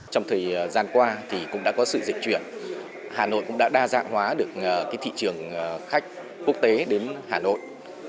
trong thời gian qua thì cũng đã có sự dịch chuyển hà nội cũng đã đa dạng hóa được thị trường khách quốc tế đến hà nội